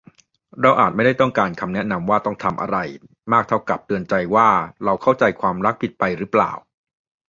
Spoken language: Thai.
เราอาจไม่ได้ต้องการคำแนะนำว่าต้อง 'ทำ' อะไร มากเท่ากับเตือนใจว่า เราเข้าใจความรักผิดไปหรือเปล่า